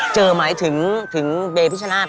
เจ้าหมายถึงเดย์พิชโนราช